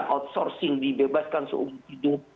outsourcing dibebaskan seumur hidup